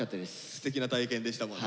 すてきな体験でしたもんね。